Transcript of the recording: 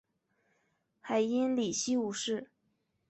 海因里希五世。